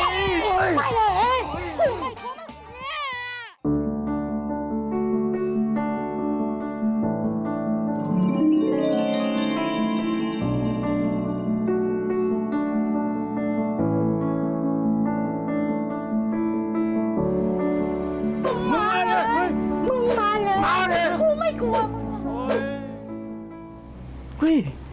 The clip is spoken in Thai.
มึงมาเลยมึงมาเลยพี่ผู้ไม่กลัว